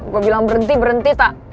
gue bilang berhenti berhenti tak